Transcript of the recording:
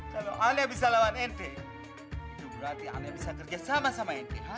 kalau alia bisa lawan ente itu berarti alia bisa kerja sama sama ente hah